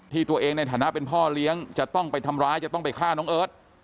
ตัวเองในฐานะเป็นพ่อเลี้ยงจะต้องไปทำร้ายจะต้องไปฆ่าน้องเอิร์ท